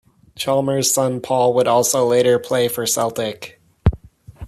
Chalmers' son Paul would also later play for Celtic.